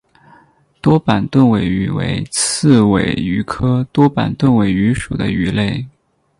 多板盾尾鱼为刺尾鱼科多板盾尾鱼属的鱼类。